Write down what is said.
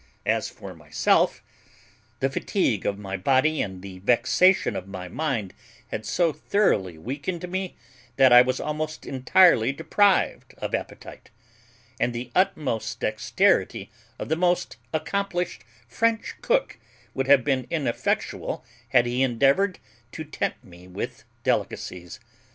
As for myself, the fatigue of my body and the vexation of my mind had so thoroughly weakened me, that I was almost entirely deprived of appetite; and the utmost dexterity of the most accomplished French cook would have been ineffectual had he endeavoured to tempt me with delicacies.